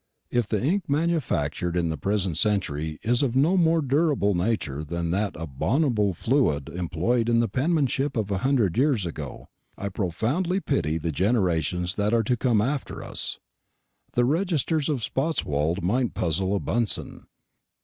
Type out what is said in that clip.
If the ink manufactured in the present century is of no more durable nature than that abominable fluid employed in the penmanship of a hundred years ago, I profoundly pity the generations that are to come after us. The registers of Spotswold might puzzle a Bunsen.